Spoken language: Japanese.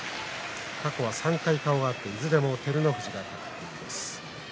過去３回顔が合っていずれも照ノ富士が勝っています。